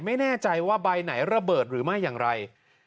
ไม่แน่ใจว่าใบไหนระเบิดหรือไม่อย่างไร